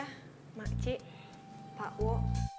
kalau gitu kay pamit dulu ya